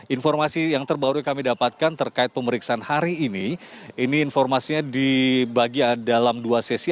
informasi yang terbaru yang kami dapatkan terkait pemeriksaan hari ini ini informasinya dibagi dalam dua sesi